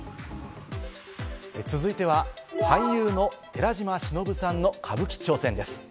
続いては俳優の寺島しのぶさんの歌舞伎挑戦です。